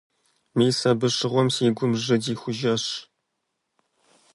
Мис абы щыгъуэм си гум жьы дихужащ.